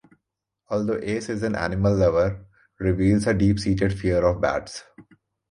Although Ace is an animal lover, reveals a deep-seated fear of bats.